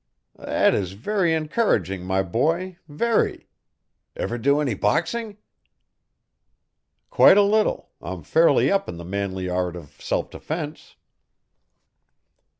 "That is very encouraging, my boy very. Ever do any boxing?" "Quite a little. I'm fairly up in the manly art of self defence."